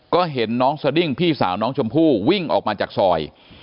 ก็เห็นน้องสดิ้งพี่สาวน้องชมพู่วิ่งออกมาจากซอย